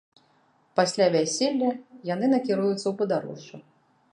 Пасля вяселля яны накіруюцца ў падарожжа.